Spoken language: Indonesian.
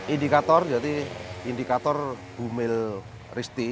indikator jadi indikator bumil risti